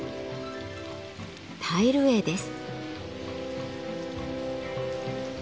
タイル画です。